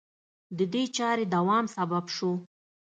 د دې چارې دوام سبب شو